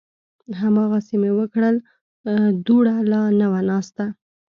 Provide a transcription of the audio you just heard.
هماغسې مې وکړل، دوړه لا نه وه ناسته